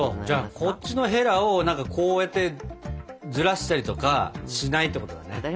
じゃあこっちのヘラをこうやってずらしたりとかしないってことだね。